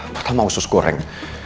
pertama usus goreng